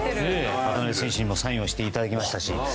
渡邊選手にもサインをしてもらいましたし。